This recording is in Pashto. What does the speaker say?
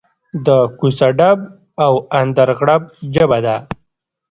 د کوڅه ډب او اندرغړب ژبه ده.